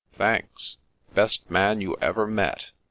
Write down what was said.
" Thanks. Best man you ever met